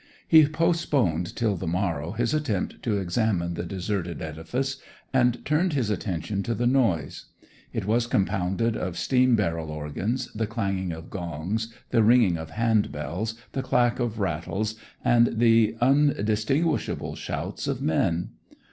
He postponed till the morrow his attempt to examine the deserted edifice, and turned his attention to the noise. It was compounded of steam barrel organs, the clanging of gongs, the ringing of hand bells, the clack of rattles, and the undistinguishable shouts of men.